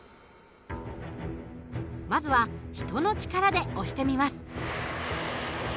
まずは人の力で押してみます。